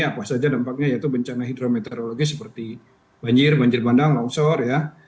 apa saja dampaknya yaitu bencana hidrometeorologi seperti banjir banjir bandang longsor ya